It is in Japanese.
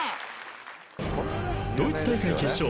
［ドイツ大会決勝